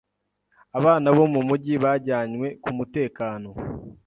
Abana bo mumujyi bajyanywe kumutekano.